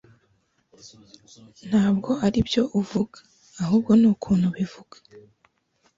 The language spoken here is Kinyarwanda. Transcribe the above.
Ntabwo aribyo uvuga, ahubwo nukuntu ubivuga.